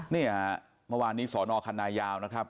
เมื่อวานนี้สนคันนายาวนะครับ